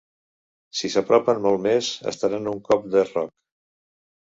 Si s'apropen molt més, estaran a un cop de roc.